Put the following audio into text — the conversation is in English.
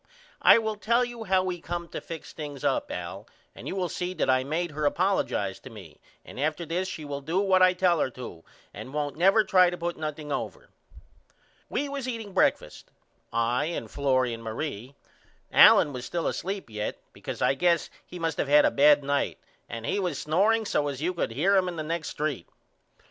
I will tell you how we come to fix things up Al and you will see that I made her apollojize to me and after this she will do what I tell her to and won't never try to put nothing over. We was eating breakfast I and Florrie and Marie. Allen was still asleep yet because I guess he must of had a bad night and he was snoreing so as you could hear him in the next st.